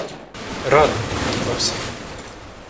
Раду — звався він.